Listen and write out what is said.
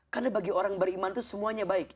karena bagi orang beriman itu semuanya baik